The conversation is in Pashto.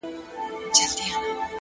هره پرېکړه د راتلونکي انځور جوړوي!